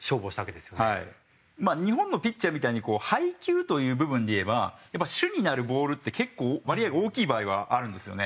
まあ日本のピッチャーみたいに配球という部分でいえば主になるボールって結構割合が大きい場合はあるんですよね。